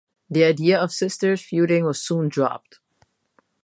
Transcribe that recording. The idea of the sisters feuding was soon dropped.